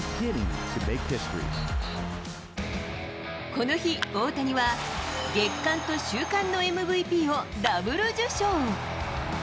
この日、大谷は、月間と週間のＭＶＰをダブル受賞。